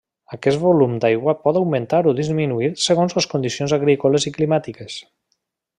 Aquest volum d'aigua pot augmentar o disminuir segons les condicions agrícoles i climàtiques.